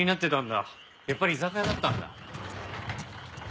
やっぱり居酒屋だったんだ。